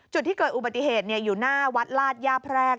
จุดที่เกิดอุบัติเหตุอยู่หน้าวัดลาดย่าแพรก